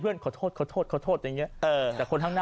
ไปไปไป